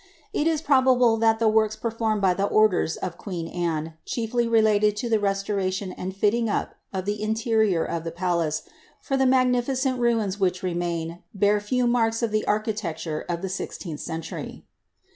It is p works performed by the orders of queen Anne chieU; restoration and fitting up of the interior of the palace, for the ma^niii cent ruins which remain, bear few marks of the architecture of the sii leeiuh century.'